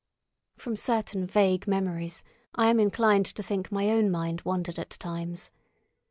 From certain vague memories I am inclined to think my own mind wandered at times.